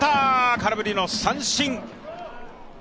空振りの三振。